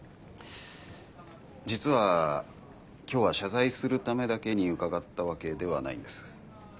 実は今日は謝罪するためだけに伺ったわけではないんです。